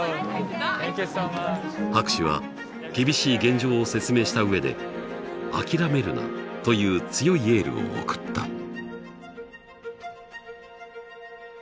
博士は厳しい現状を説明した上で「諦めるな」という強いエールを送った。